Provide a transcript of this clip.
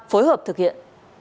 phối hợp thực hiện